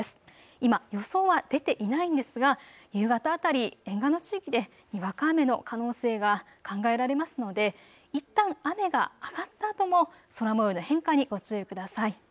今、予想は出ていないんですが夕方辺り、沿岸の地域でにわか雨の可能性が考えられますのでいったん雨が上がったあとも空もようの変化にご注意ください。